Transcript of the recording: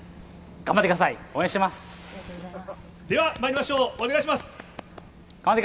頑張ってください。